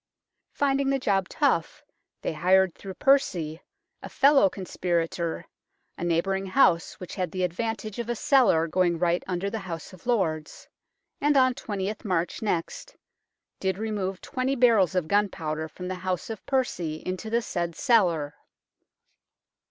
Finding the job tough, they hired through Percy, a fellow conspirator, a neighbouring house which had the advantage of a cellar going right under the House of Lords, and on 20th March next " did remove 20 barrels of gunpowder from the house of Percy into the said cellar."